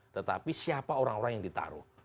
tetapi siapa orang orang yang ditaruh